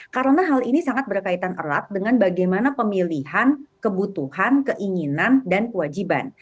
karena hal ini sangat berkaitan erat dengan bagaimana pemilihan kebutuhan keinginan dan kewajiban